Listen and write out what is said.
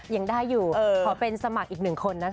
ยังได้อยู่เพราะเป็นสมัครอีก๑คนนะคะ